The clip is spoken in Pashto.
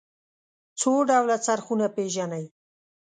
څو ډوله څرخونه پيژنئ.